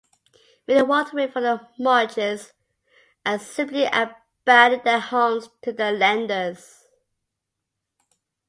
Many walked away from their mortgages and simply abandoned their homes to the lenders.